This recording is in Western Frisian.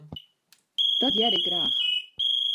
Dat hear ik graach.